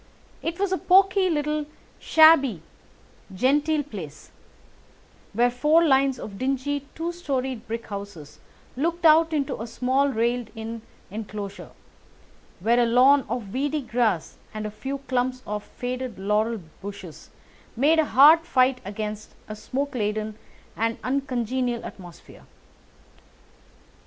It was a poky, little, shabby genteel place, where four lines of dingy two storied brick houses looked out into a small railed in enclosure, where a lawn of weedy grass and a few clumps of faded laurel bushes made a hard fight against a smoke laden and uncongenial atmosphere.